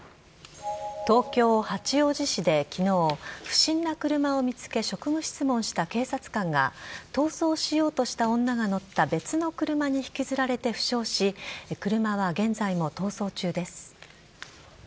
東京・八王子市できのう、不審な車を見つけ、職務質問した警察官が、逃走しようとした女が乗った別の車に引きずられて負傷し、車は現在も逃走中です。